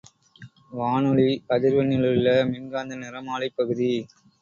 வானொலி அதிர்வெண்ணிலுள்ள மின்காந்த நிறமாலைப் பகுதி.